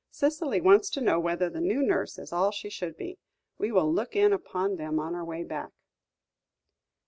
Cicely wants to know whether the new nurse is all she should be; we will look in upon them on our way back."